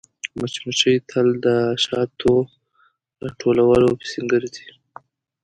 مچمچۍ تل د شاتو راټولولو پسې ګرځي